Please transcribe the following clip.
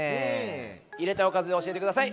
いれたいおかずおしえてください。